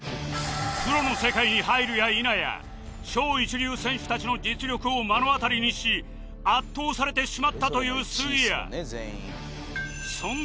プロの世界に入るや否や超一流選手たちの実力を目の当たりにし圧倒されてしまったという杉谷